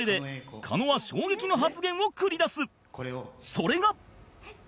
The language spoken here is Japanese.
それが